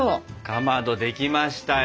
かまどできましたよ。